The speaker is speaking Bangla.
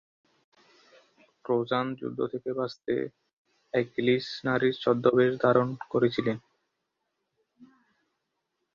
ট্রোজান যুদ্ধ থেকে বাঁচতে অ্যাকিলিস নারীর ছদ্মবেশ ধারণ করেছিলেন।